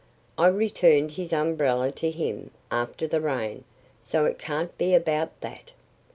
I returned his umbrella to him, after the rain. So it can't be about that."